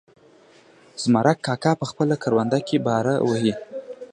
زمرک کاکا په خپله کرونده کې باره وهي.